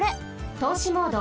とうしモード。